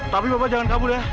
tapi bapak jangan kabur ya